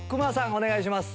お願いします。